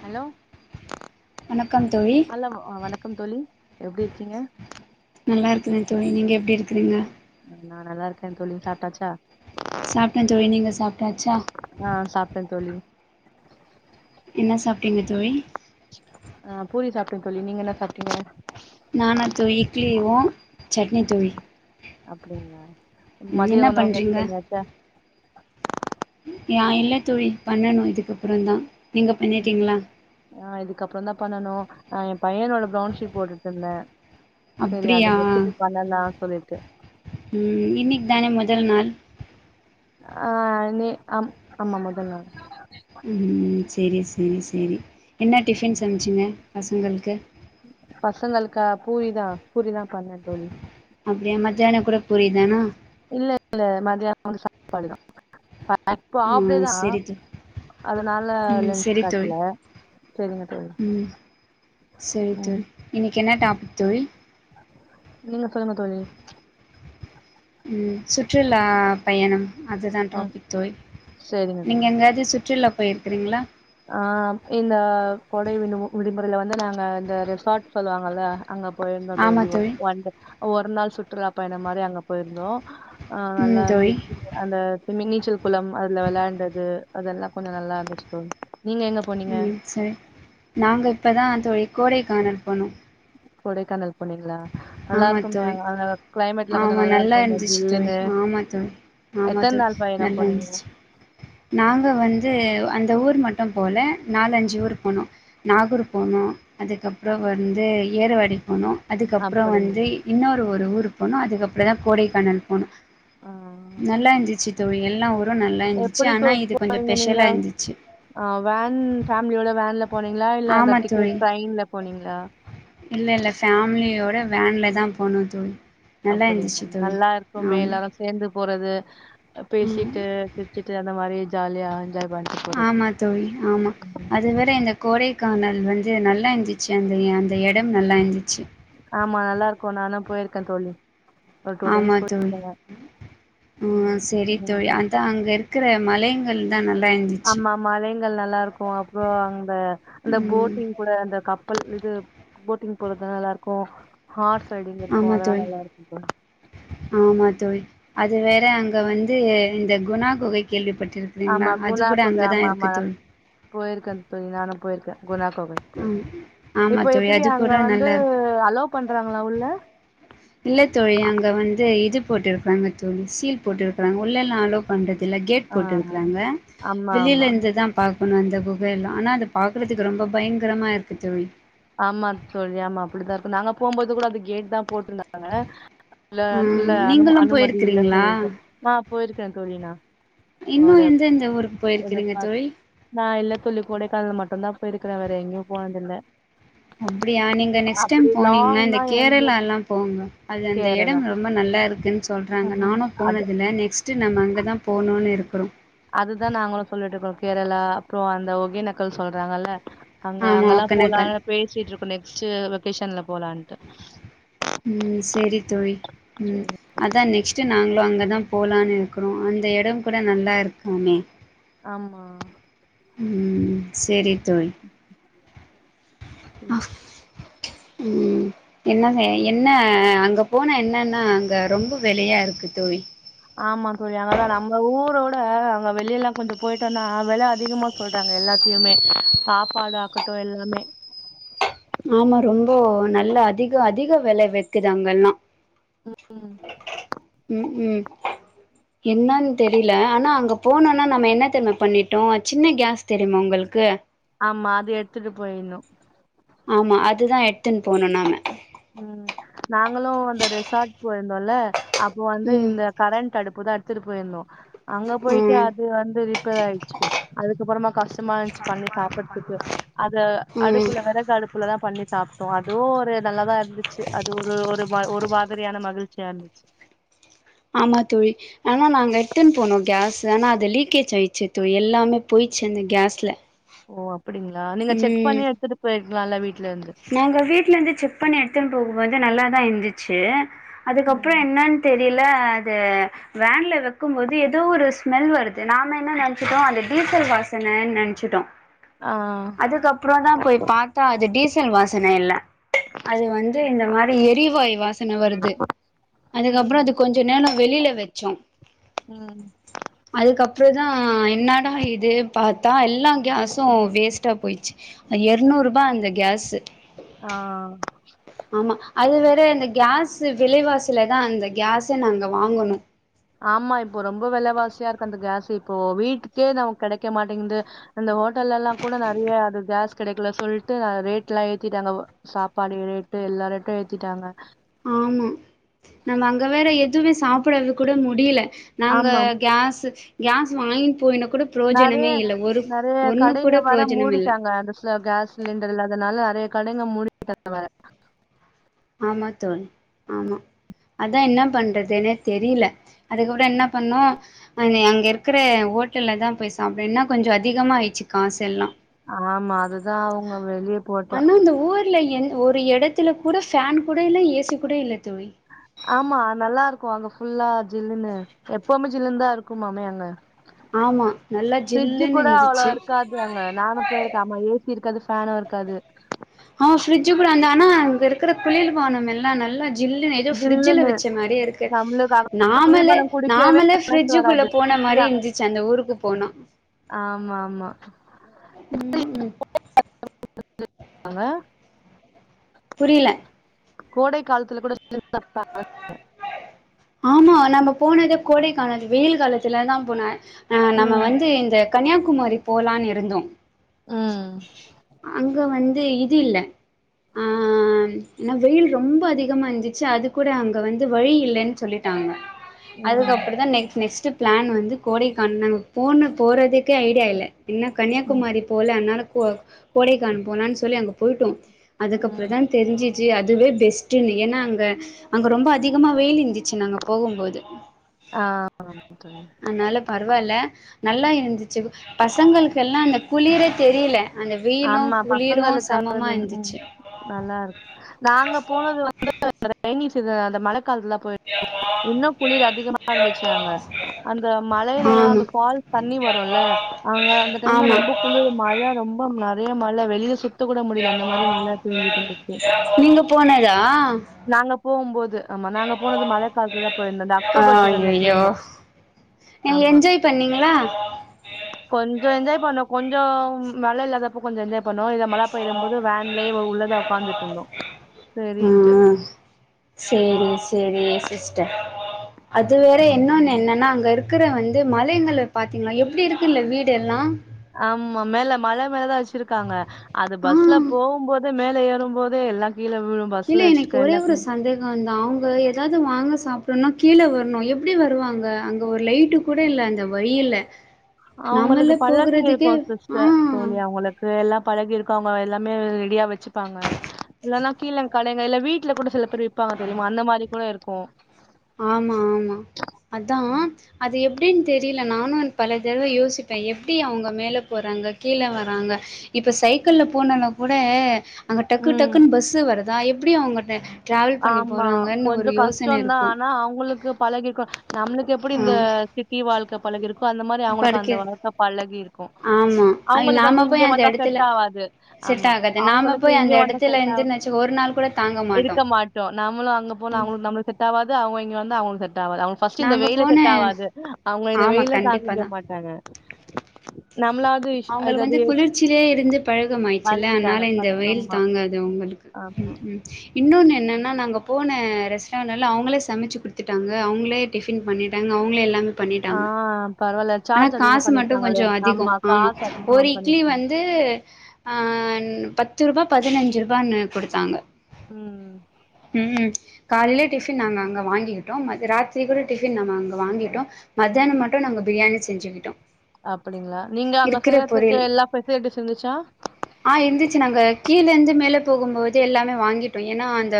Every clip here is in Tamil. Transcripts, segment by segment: ஹலோ வணக்கம் தோழி ஹலோ வணக்கம் தோழி எப்டி இருக்கீங்க நல்லா இருக்குறே தோழி நீங்க எப்டி இருக்குறீங்க நா நல்லா இருக்கே தோழி சாப்ட்டாச்சா சாப்ட்டே தோழி நீங்க சாப்ட்டாச்சா ஆ சாப்ட்டே தோழி என்ன சாப்பிட்டீங்க தோழி ஆ பூரி சாப்ட தோழி நீங்க என்ன சாப்ட்டீங்க நானா தோழி இட்லிவு சட்னி தோழி அப்படிங்களா ம், மதிய என்ன உணவு ரெடி பண்ணியாச்சா நா இல்ல தோழி பண்ணணு இதுக்கப்பறந்தா நீங்க பண்ணிட்டீங்களா ஆ இதுக்கப்புறோ தா பண்ணனு நா ஏ பையனோட பிரவுன் ஷீட போட்டுட்ருந்தே சரி அத அப்டியா வச்சுட்டு பண்ணலா சொல்லிட்டு ம் இன்னைக்கு தானே முதல் நாள் ஆ நீ ஆம் ஆமா முதல் நாள் ம் சேரி சேரி சேரி என்ன டிஃபின் சமைச்சிங்க பசங்களுக்கு பசங்களுக்கா பூரிதா பூரிதா பண்ணே தோழி அப்படியா மத்யான கூட பூரிதானா இல்ல இல்ல மத்யான வந்து சாப்பாடு தா இப்போ ஆ ஆப்டேதா செரி தோ அதனால ம் நனச்சு செரி தோழி காட்டல சரிங்க தோழி சரி ம் தோழி இன்னைக்கு என்ன டாபிக் தோழி நீங்க சொல்லுங்க தோழி ம் சுற்றுலா பயணம் அதுதா ம் டாபிக் தோழி சேரிங்க நீங்க தோழி எங்காவது சுற்றுலா போயிருக்கறீங்களா ஆ இந்த கொடை விடு விடுமுறையில வந்து நாங்க இந்த ரிசார்ட் சொல்லுவாங்கல்ல அங்க போயிருந்தோ தோழி ஒ ஒரு நாள் சுற்றுலா பயணம் மாரி அங்க போயிருந்தோ ஆ ம் நல்லா தோழி இருந்துச்சு அந்த மி நீச்சல் குளம் அதுல வெளாண்டது அதெல்லா கொஞ்ச நல்லாருந்துச்சு தோழி நீங்க எங்க போனீங்க ம் சரி நாங்க இப்பதா தோழி கோடைக்கானல் போனோ கொடைக்கானல் போன்னீங்களா நல்லா ஆமா இருக்ககுமே தோழி அந்த கிளைமேட்ல கொஞ்ச ஆமா நல்லா இருக்கும் மே இருந்துச்சு தோழி ஜில்லுனு ஆமா தோழி ஆமா எத்தன் தோழி நாள் பயணம் நல்லா போனீங்க இருந்துச்சு நாங்க வந்து அந் இந்த ஊர் மட்டு போல நாலஞ்சு ஊர் போனோ நாகூர் போனோ அதுக்கப்புற வந்து ஏற்வாடி போனோ அதுக்கப்புற வந்து அப்படிங்களா இன்னொரு ஒரு ஊர் போனோ அதுக்கப்புறந்தா கோடைக்கானல் போனோ ஆ நல்லா இருஞ்சுச்சு தோழி எல்லா ஊரு நல்லா இருந்துச்சு எப்டி தோ ஆனா இது கொஞ்ச போனீங்க பெஷலா நீங்க இருந்துச்சு ஆ வேன் ஃபேமிலியோட வேன்ல போனீங்களா? இல்ல அந்த ஆமா தோழி டிக்கெட் ட்ரெயின்ல போனீங்களா? இல்ல இல்ல ஃபமிலியோ ட வேன்லதா போனோ தோழி நல்லா அப்படிங்களா இருந்துச்சு தோழி நல்லா இருக்குமே ஆமா எல்லாரும் சேர்ந்து போறது ம் பேசிட்டு சிருச்சிட்டு அந்த மாதிரி ஜாலியா என்ஜாய் பண்ணிட்டு போறது. ஆமா தோழி ஆமா அது வேற இந்த கோடை க்கானல் வந்து நல்லா இருந்துச்சு அந்த அந்த இடம் நல்லா இருந்துச்சு ஆமா நல்லா இருக்கும் நானும் போயிருக்கேன் தோழி ஒரு ஆமா டூடைம்ஸ் தோழி போயிருக்க ம் சேரி தோழி அதான் அங்க இருக்கிற மலைங்கள் தான் நல்லா இருந்துச்சு ஆமா மலைங்கள் நல்லா இருக்கும் அப்புறம் அந்த அந்த ம் போட்டிங் கூட அந்த இது போட்டிங் போறது நல்லா இருக்கும் ஹார்ஸ் ரைடிங் இருக்கும். ஆமா தோழி அதெல்லாம் நல்லா இருக்கும் தோழி. ஆமா தோழி அது வேற அங்க வந்து இந்த குணா குகை கேள்விப்பட்டு இருக்கறீங்களா ஆமா அது குணா கூட குகை அங்கதான் ஆமா ஆமா. இருக்கு நான் தோழி குணகுகை ஆமா ஆமா இப்ப தோழி எப்படி அது அங்க கூட வந்து நல்லா இருக்கு அலோ பண்றாங்களா உள்ள இல்லத்தோழி அங்க வந்து இது போட்டுருக்காங்க தோழி சீல் போட்டுருக்கிறாங்க உள்ளல்லா அலோ பண்றது இல்ல கேட் ஆ போட்டு இருக்கிறாங்க ஆமா, ஆமா. வெளியில இருந்துதான் பாக்க ண்ணும் அந்த குகையல்லாம் ஆனா அதை பாக்குறதுக்கு ரொம்ப பயங்கரமா இருக்கு தோழி ஆமா தோழி ஆமா அப்படித்தான் இருக்கும் நாங்க போம்போது கூட அந்த கேட் தான் போட்ருந்தாங்க இல்ல இல்ல ம் அனு நீங்களும் அனுமதி இல்ல போயிருக்கிறீங்களா சொல்லிருக்கேன் நா போயிருக்கேன் தோழி நா இன்னு ஒரு எந்த எந்த ஊருக்கு ஒரு போயிருக்கிறீங்க பாத் தோழி நான் இல்ல தோழி கொடைகானல் மட்டும்தான் போயிருக்கே வேற எங்கயு போனதுல்ல அப்டியா நீங்க நெக்ஸ்ட் டைம் போனீங்கன்னா இந்த லாங்னா கேரளா எங்கயும் எல்லாம் போங்க அது அந்த கேரளா. இடம் ரொம்ப நல்ல நல்லா இருக்குன்னு சொல்றாங்க ம். நானும் அது போனதுல்ல நெக்ஸ்ட் நம்ம அங்கதான் போணும்னு இருக்கறோ அதுதா நாங்களும் சொல்லிட்டு இருக்கோம் கேரளா அப்பறம் அந்த ஒகேனக்கல் சொல்றாங்கல்ல அங்க ஆமா அங்கல்லா ஒகேனக்கல் போலாம்னு பேசிட்டு இருக்கோம் நெக்ஸ்ட் வெகேஷன்ல போலான்ட்டு ம் சரி தோழி ம் சரி. அதான் நெக்ஸ்ட் ட்டு நாங்களும் அங்கதா போலாம்னு இருக்கறோ அந்த இட கூட நல்லா இருக்காமே ஆமா. ம் செரி தோழி ம் ம் என்ன என்ன அங்க போனா என்னன்னா அங்க ரொம்ப வெலையா இருக்கு க்கு தோழி ஆமா தோழி அங்கதா நம்ம ஊரோட அவங்க வெளிய எல்லாம் கொஞ்சம் போயிட்டோம்னா வெல அதிகமா சொல்றாங்க எல்லாத்துக் எப்பயுமே சாப்பாடு ஆக்கட்டும் எல்லாமே ஆமா ரொம்ப நல்ல அதிக அதிக வெல வைக்குதுா அங்கல்லா ம். ம் ம் என்னன்னு தெரியல ஆனா அங்க போனோனா நம்ம என்ன தெரிமா பண்ணிட்டோ சின்ன கேஸ் தெரியுமா உங்களுக்கு ஆமா அது எடுத்துட்டு போயுனும் ஆமா அதுதா எத்துன்னு போனும் நாம ம் நாங்களும் அந்த ரெசார்ட் போயிருந்தோல அப்போ வந்து ம் இந்த கரண்ட் அடுப்பு எத்துட்டு போயிருந்தோ அங்க போயிட்டு ம் அது வந்து ரிப்பேர் ஆயிடுச்சு அதுக்கப்புறமா கஷ்டமா இருந்துச்சு பண்ணி சாப்பிடுதூக்கு அத ம் அடுப்புல வேற வெறகு அடுப்புல தா பண்ணி சாப்ட்டோ அதுவு ஒரு நல்லாதா இருந்துச்சு அது ஒரு ஒரு ஒரு மாதிரியான மகிழ்ச்சியா இருந்துச்சு ஆமா தோழி ஆனா நாங்க எட்டுன்னு போனோம் கேஸ் ஆனா அது லீக்கேஜ் ஆயிடுச்சு தோழி எல்லாமே போயிச்சு அந்த கேஸ்ல ஓ அப்டிங்களா நீங்க செக் ம் பண்ணி எடுத்துட்டு போயிருக்கலால வீட்ல இருந்து நாங்க வீட்ல இருந்து செக் பண்ணி எடுத்துன்ட்டு போகுபோது நல்லாதா இந்துச்சு ம் அதுக்கப்புறம் என்னன்னு தெரி ல அது வேன்ல வக்கும் போது ஏதோ ஒரு ஸ்மெல் வருது நாம என்ன நினைச்சட்டோம் அந்த டீசல் வாசனனு நினச்சிட்டோ ஆ அதுக்கப்பறம் தான் போய் பாத்தா அது டீசல் வாசன இல்ல அது வந்து இந்த மாரி எரிவாய் வாசன வருது அதுக்கப்றம் ம் அது கொஞ்ச நேர வெளில வ ச்சே ம் அதுக்ப்பற தா என் என்னாடா இது பாத்தா எல்லா கேஸு வேஸ்ட்டா போயிடுச்சு அ எர்நூர்பா அந்த கேஸு ஆ ஆமா அது வேற இந்த கேஸ் சு விலைவாசில தா அந்த கேசே நாங்க வாங்கனு ஆமா இப்போ ரொம்ப வெலவாசியாருக்கு அந்த கேஷூ இப்போ வீட்டுக்கே நம்க் கெடைக்க மாட்டேங்குது அந்த ஓட் டல்லலா கூட நறைய அது கேஸ் கெடைக்கல சொல்ட்டு ரேட்லா ஏத்திட்டாங்க சாப்பாடு ரேட்டு எல்லா ரேட்டு ஏத்திட்டாங்க ஆமா நம்ம அங்க வேற எது எதுமே சாப்புறது கூட முடில நாங்க ஆமா கேஷூ கேஸ் வாங்கின் போய்னு நெறய நெறய கடைங்க கூட வர புரோஜனம் இல்ல மூடிட்டாங்க [unintelligible] அந்த கேஸ் சிலிண்டர் இல்லாதனால நறைய கடைங்க மூடி [unintelligible] ஆமா தோழி ஆமா அதா என்ன பண்றதுன்னே தெரில அதுக்கப்ரோ என்ன பண்ணோ அங்க இருக்குற ஓட்டல்ல தா போய் சாப்ட என்னா கொஞ்சோ அதிகமாச்சு காசெல்லா ஆமா அதுதா அவங்க வெளியே போட்டா ஆனா அந்த ஊர்ல என் ஒரு எடத்துல கூட ஃபேன் கூட இல்ல ஏசி கூட இல்ல தோழி ஆமா நல்லாருக் க்கு அங்க ஃபுல்லா ஜில்லுன்னு எப்பமே ஜில்லுன் தா இருக்குமாமே அங்க ஆமா நல்லா ஃப்ரிட்ஜு ஜில்லுன்னு கூட அவ்ளோ இருந்துச்சு இருக்காது அங்க நானு போயிருக்க ஆமா ஏசி இருக்காது ஃபேனு இருக்காது ஆ ஃபிரிட்ஜ் கூட அந்த ஆனா அங்க இருக்குற குளிர் பானம் எல்லா நல்லா ஜில்லுன்னு ஏதோ ஃபிரிட்ஜ்ல ஜில்லுன்னு வச்ச மெரியே இருக்கு நம்மளுக்கு அங்க நாமலே குளிர்பானோ குடிக்கவே நாமலே மனசு ஃப்ரிட்ஜுக்குள்ள வராது டீ போன மாரி தா ந்துச்சு அந்த ஊருக்கு போனா ஆமா ஆமா ம் ம் [unintelligible] புரில கோடை காலத்துல கூட [unintelligible] ஆமா நம்ம போனதே கோடைக்காலம் வெயில் காலத்துல தா போன அ நம்ம ம் வந்து இந்த கன்னியாகுமரி போலான் இருந்தோ ம் அங்க வந்து இது இல்ல அ இன்னா வெயில் ரொம்ப அதிகமாந்துச்சு அது கூட அங்க வந்து வழி இல்லன்னு சொல்லிட்டா டாங்க ம் அதுக்கப்றம் தா நெக் நெக்ஸ்ட் பிளான் வந்து கோடைக்கா நாங் போனு போறத்துக்கே ஐடியா இல்ல என்ன ம் கன்னியாகுமாரி போலனாலு கோ கோடைக்கானல் போலான் சொல்லி அங்க போயிட்டோ அதுக்கப்றம் ம் தா தெரிஞ்சு ச்சி அதுவே பெஸ்ட்டுன்னு ஏனா அங்க அங்க ரொம்ப அதிகமா வெயில் ந்துச்சு நாங்க போகம்போது ஆ தோழி அனால பரவால நல்லா இருந்துச்சு பசங்களுக்கெல்லா அந்த குளிரே தெரில ஆமா பசங்களுக்காவது ம் இருந்துச்சு நல்லாருக்கு நாங்க போனது வந்து அந்த [unintelligible] ரைனீ சீசன் அந்த மழைக்காலத்துல தா போயிரு இன்னு குளிர் அதிகமா இருந்துச்சு அங்க அந்த மலைல லா அந்த ஃபால்ஸ் தண்ணி வருல்ல அங்க அந்த டைம்ல ஆமா ஆமா ரொம்ப குளிர் மழை ரொம்ப நறைய மழை வெளில சுத்தி த்த கூட முடில அந்த மாரி மழ பெஞ்சுட்ருந்துச்சு நீங்க போனதா நாங்க போகும்போது ஆமா நாங்க போனது மழைக்காலத்துல தா போயிருந்தோ அந்த அக்டோபர் சீசன்ல அய்யய்யோ போயிருந்தோ ஆமா என்ஜாய் பண்ணீங்களா கொஞ்சோ என்ஜாய் பண்ணோ கொஞ்சோ மழை இல்லாதப்ப கொஞ்சோ என்ஜாய் பண்ணோ இல மழ பெய்ர போது வேன்லே உள்ளதா ஒக்காந்துட்ருந்தோ சேரின்ட்டு ம் சேரி சேரி சிஸ்டர் அது வேற இன்னொன்னு என்னன்னா அங்க இருக் குற வந்து மலைங்கள பாத்தீங்களா எப்டி இருக்குல்ல வீடு எல்லா ஆமா மேல மல மேலதா வச்சிருக்காங்க அது ஆ பஸ்ல போகும் போது மேல ஏறும் போது எல்லா கீழ விழு இல்ல பஸ்ல எனக்கு வச்சிருக்க ஒரே ஒரு எல்லாத்தையு சந்தேகோனா அவங்க ஏதாவது வாங்க சாப் புன்னு கீழே வர்ணு எப்டி வருவாங்க அங்க ஒரு லைட்டு கூட இல்ல அந்த வழியில அவங்களுக்கு நம்மல்ல பழகி போகுறதுக்கே இருக்கு சிஸ்டர் ஆ தோழி அவங்களுக்கு எல்லா பழகி இருக்கு அ வங்க எல்லாமே ரெடியா வச்சுப்பாங்க இல்லன்னா கீழே கடைங்கல்ல வீட்ல கூட சில பேர் விப்பாங்க தெரியுமா அந்த மாரி கூட இருக்கு ஆமா ஆமா அதா அது எப் டின் தெரியில நானு பல தடவ யோசிப்பே எப்டி அவங்க மேலே போறாங்க கீழே வராங்க இப்ப சைக்கிள் போனோனா கூட அங்க டக்கு ம் டக்குன்னு பஸ்ஸு வருதா எப்டி அவங்க ட ஆமா கொஞ்சோ கஷ்டோதா இருக்கு ஆனா அவங்களுக்கு பழகிற்க்கு நம்ளுக்கு எப்டி ஆ இந்த சிட்டி வாழ்க்க பழகிருக்கோ அந்த மாரி அவங்களுக்கு அந்த படிக்க வாழ்க்க பழகி இருக்கு ஆமா ஐ அவங்களுக்கு வந்து நாம இங்க போய் அந்த வந்தா எடத்துல செட் ஆவாது செட் ஆமா ஆகாது நாம அவங்களுக்கு போய் இங்க அந்த வந்தா எடத்துல இருந்துன் வெச்சுக்கோ ஒரு நாள் கூட தாங்க மாட்டோ க மாட்டோ நாமளு அங்க போனா அவங்களுக்கு நம்ம செட் ஆவாது அவங்க இங்க வந்தா அவங்களுக்கு செட் ஆவா அவங்க இந்த நாங்க வெயில் போன செட் ஆவாது அவங்க இந்த ஆமா வெயில கண்டிப்பா தாங்கிக்க தா மாட்டாங்க நம்மளாவது இஷ் அவங்களுக்கு அதாவது வந்து குளிர்ச்சிலேயே இருந்து பழகம் ஆயிச்சுல்ல பழகிட்டாங்க. அனால இந்த பழ வெயில் ஆமா, தாங்காது அவங்களுக்கு ஆமா. ம் இன்னொன்னு என்னன் னா நாங்க போன ரெஸ்டாரண்ட் அவங்களே சமச்சு கொடுத்துட்டாங்க அவங்களே டிஃபன் பண்ணிட்டாங்க அவங்களே எல்லாமே ஆ பண்ணிட்டாங்க பரவால்ல. ஆனா சார்ஜ் அதிகமா காசு மட்டு பண்ணியிருக்காங்களே! கொஞ்சோ அதிகோ ஆமா காசு அதிகமா ஒரு இட்லி பண்ணியிருக்காங்க. வந்து ஆன் பத்து ரூபா பதினஞ்சு ரூபான்னு குடுத்தாங்க ம் ம் காலைல டிஃபன் நாங்க அங்க வாங்கிக்கிட்டோ ம ராத்திரி கூட டிஃபன் நாங்க அங்க வாங்கிட்டோ மதியான மட்டு நாங்க பிரியாணி செஞ்சுக்கிட்டோ அப்புடிங்களா நீங்க அங்க இருக்கிற செய்யறதுக்கு பொரியல் எல்லா ஃபெசிலிட்டிஸ் இருந்துச்சா கீழேருந்து மேலே போகும்போது எல்லாமே வாங்கிட்டோ ஏனா அந்த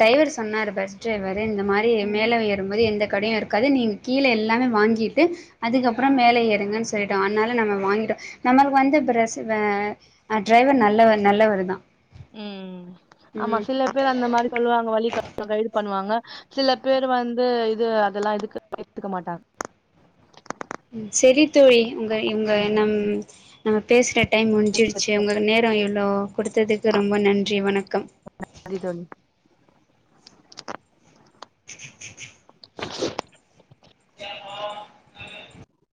டிரைவர் சொன்னாரு பஸ் டிரைவ ரு இந்த மாரி ம். மேல ஏறும்போது எந்த கடையு இருக்காது நீங்க கீழ எல்லாமே வாங்கிட்டு அதுக்கப்றோ மேல ஏறுங்கன்னு சொல்லிடோ அனால நம்ம வாங்கிட் நம்மளுக்கு வந்த ப்ரஸ்ஸு வே அ டிரைவர் நல்லவ நல்லவர் தா ம் ஆமா ம் சில பேர் அந்த மாரி சொல்லுவாங்க வழி கா கைடு பண்ணுவாங்க சில பேரு வந்து இது அதெல்லா இதுக்கு எத்துக்க மாட்டாங்க ம் செரி தோழி உங்க இவங்க நம் நம்ம பேசுற டைம் முடிஞ்சிடுச்சு மாட்டாங்க. உங்க நேரோ இவ்ளோ கொடுத்ததுக்கு ரொம்ப நன்றி வணக்கம்